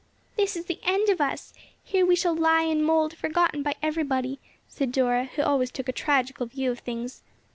"This is the end of us! Here we shall lie and mould forgotten by everybody," said Dora, who always took a tragical view of things.